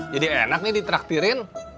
jadi enak nih ditraktirin